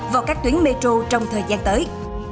vào các tuyến metro trong thời gian tới